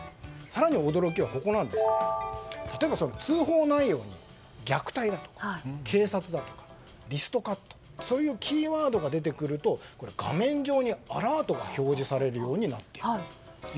更に驚きは、例えば通報内容に虐待だとか警察だとかリストカットとかそういうキーワードが出てくると画面上にアラートが表示されるようになっていると。